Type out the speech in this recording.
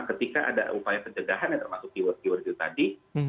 ketika ada upaya pencegahan yang termasuk keyword keyword itu tadi